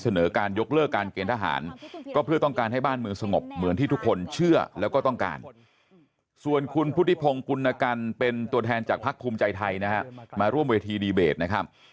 ส่วนคุณพุทธิพงค์กุณกันเป็นตัวแทนจากพักคุมใจไทยมาร่วมวิวเทียบนะครับ